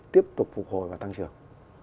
tiếp tục phục hồi và tăng trưởng